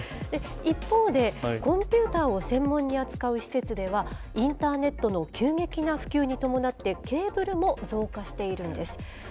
一方で、コンピューターを専門に扱う施設では、インターネットの急激な普及に伴って、ケーブルも増加しているんです。